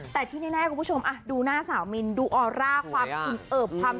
แต่ที่แน่คุณผู้ชมดูหน้าสาวมินดูออร่าความอิ่มเอิบความ